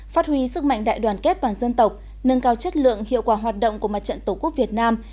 phát huy sức mạnh đại đoàn kết toàn dân tộc nâng cao chất lượng hiệu quả hoạt động của mặt trận tổ quốc việt nam